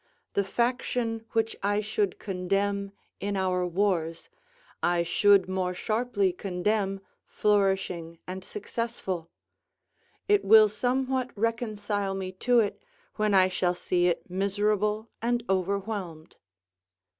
The faction which I should condemn in our wars, I should more sharply condemn, flourishing and successful; it will somewhat reconcile me to it, when I shall see it miserable and overwhelmed.